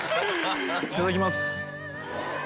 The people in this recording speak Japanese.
いただきます。